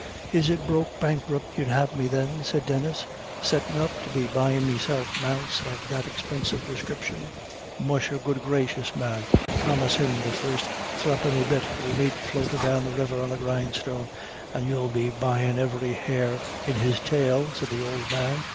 "Is it broke bankrupt you'd have me then?" said Denis, "settin' up to be buyin' meself mounts of that expinsive discripshin?" "Musha, good gracious, man, promise him the first thruppinny bit you meet floatin' down the river on a grindstone, and you'll be buyin' every hair in his tail," said the old man.